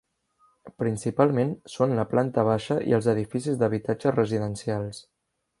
Principalment són la planta baixa i els edificis d'habitatge residencials.